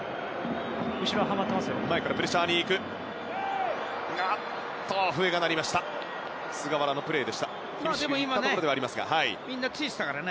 後ろ、はまってますよ。